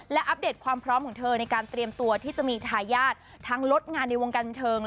และอัปเดตความพร้อมของเธอในการเตรียมตัวที่จะมีทายาททั้งลดงานในวงการบันเทิง